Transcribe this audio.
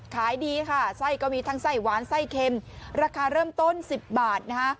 ขายดีค่ะไส้ก็มีทั้งไส้หวานไส้เค็มราคาเริ่มต้น๑๐บาทนะคะ